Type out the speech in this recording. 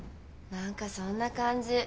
何かそんな感じ。